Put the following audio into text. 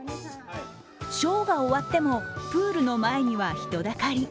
ショーが終わってもプールの前には人だかり。